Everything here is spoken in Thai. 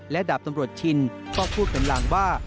และดาบตำรวจชินก็พูดเป็นลางว่า